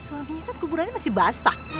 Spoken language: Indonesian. lagunya kan kuburannya masih basah